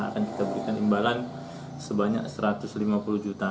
akan kita berikan imbalan sebanyak satu ratus lima puluh juta